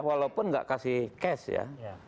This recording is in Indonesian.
walaupun nggak kasih cash ya